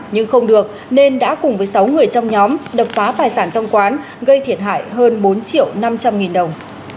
nhưng không được nên đã cùng với sáu người trong nhóm đập phá tài sản trong quán gây thiệt hại hơn bốn triệu năm trăm linh nghìn đồng